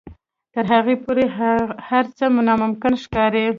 تر هغې پورې هر څه ناممکن ښکاري.